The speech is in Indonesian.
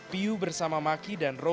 p u bersama maki dan roma